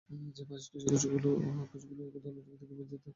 যে ভাজক টিস্যুর কোষগুলো একতলের একদিকে বিভাজিত হয় তাকে কী বলে?